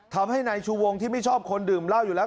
ทำให้นายชูวงที่ไม่ชอบคนดื่มเหล้าอยู่แล้ว